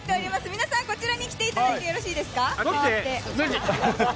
皆さんこちらに来ていただいてるんですね。